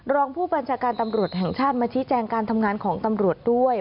รองผู้บัญชาการตำรวจแห่งชาติมาชี้แจงการทำงานของตำรวจด้วย